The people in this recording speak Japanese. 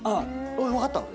分かったの？